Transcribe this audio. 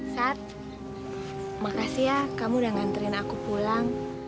sat terima kasih ya kamu sudah mengantarkan saya pulang